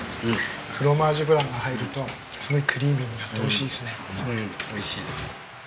フロマージュブランが入るとすごいクリーミーになっておいしいですね。